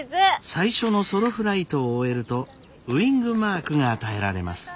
最初のソロフライトを終えるとウイングマークが与えられます。